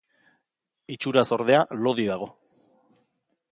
Itxuraz, ordea, lodi dago.